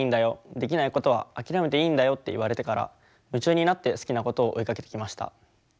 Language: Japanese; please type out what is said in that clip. できないことは諦めていいんだよ」って言われてから夢中になって好きなことを追いかけてきました。